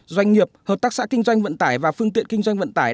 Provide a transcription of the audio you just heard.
doanh nghiệp hợp tác xã kinh doanh vận tải và phương tiện kinh doanh vận tải